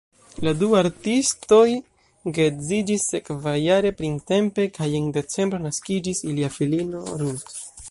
La du artistoj geedziĝis sekvajare printempe kaj en decembro naskiĝis ilia filino Ruth.